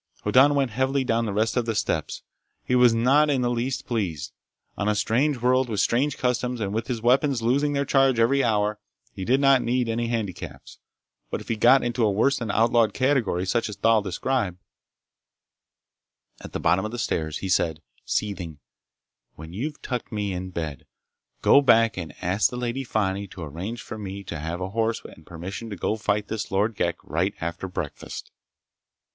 Hoddan went heavily down the rest of the steps. He was not in the least pleased. On a strange world, with strange customs, and with his weapons losing their charge every hour, he did not need any handicaps. But if he got into a worse than outlawed category such as Thal described— At the bottom of the stairs he said, seething: "When you've tucked me in bed, go back and ask the Lady Fani to arrange for me to have a horse and permission to go fight this Lord Ghek right after breakfast!"